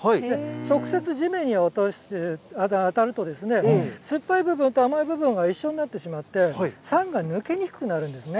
直接地面に落として当たると、酸っぱい部分と甘い部分が一緒になってしまって、酸が抜けにくくなるんですね。